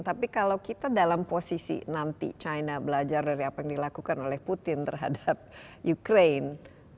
tapi kalau kita dalam posisi nanti china belajar dari apa yang dilakukan oleh putin terhadap ukraine